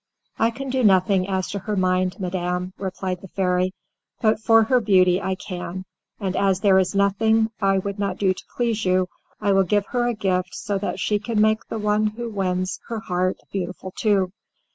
"I can do nothing as to her mind, madam," replied the fairy, "but for her beauty I can, and as there is nothing I would not do to please you, I will give her a gift so that she can make the one who wins her heart beautiful too."